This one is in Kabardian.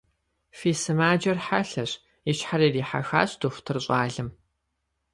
Фи сымаджэр хьэлъэщ, – и щхьэр ирихьэхащ дохутыр щӏалэм.